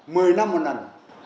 mười năm một lần